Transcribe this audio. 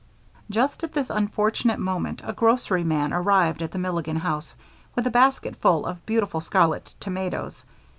Just at this unfortunate moment, a grocery man arrived at the Milligan house with a basketful of beautiful scarlet tomatoes.